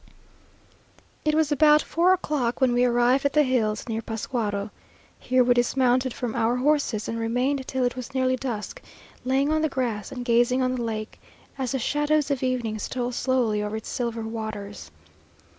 It was about four o'clock when we arrived at the hills near Pascuaro. Here we dismounted from our horses, and remained till it was nearly dusk, laying on the grass, and gazing on the lake, as the shadows of evening stole slowly over its silver waters.